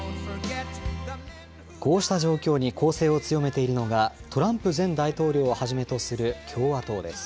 こうした状況に攻勢を強めているのが、トランプ前大統領をはじめとする共和党です。